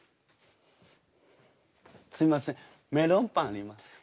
すいませんメロンパンありますか？